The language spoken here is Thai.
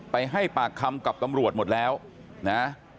ให้ปากคำกับตำรวจหมดแล้วนะ